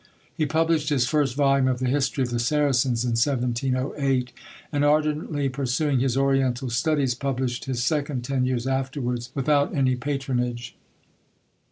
He published his first volume of the History of the Saracens in 1708; and, ardently pursuing his oriental studies, published his second, ten years afterwards, without any patronage.